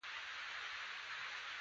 کېله د بدن د سوزش مخنیوی کوي.